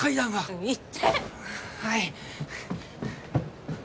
はい。